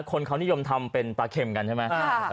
คนเขานิยมทำเป็นปลาเข็มกันใช่ไหม